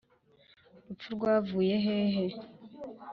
rupfu wavuye hehe?